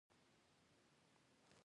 په هغه صورت کې یې موږ په جنګ اخته کولای.